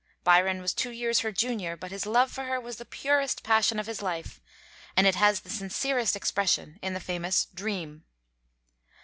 Byron was two years her junior, but his love for her was the purest passion of his life, and it has the sincerest expression in the famous 'Dream.'